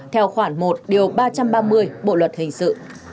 theo khoản một điều ba trăm ba mươi bộ luật hình sự